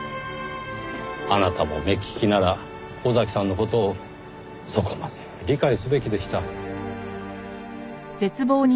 あなたも目利きなら尾崎さんの事をそこまで理解すべきでした。